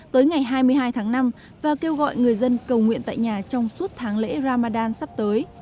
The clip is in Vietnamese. tới ngày hai mươi hai tháng năm và kêu gọi người dân cầu nguyện tại nhà trong suốt tháng lễ ramadan sắp tới